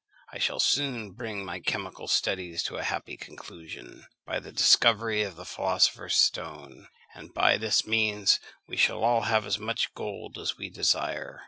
I shall soon bring my chemical studies to a happy conclusion, by the discovery of the philosopher's stone, and by this means we shall all have as much gold as we desire.